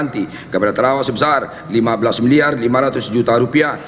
kepada terawal sebesar lima belas miliar lima ratus juta rupiah